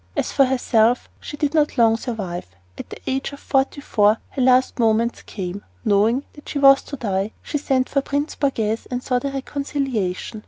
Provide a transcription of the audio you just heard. As for herself, she did not long survive. At the age of forty four her last moments came. Knowing that she was to die, she sent for Prince Borghese and sought a reconciliation.